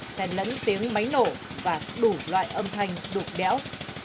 sẽ lẫn tiếng máy nổ và đủ loại âm thanh đục đéo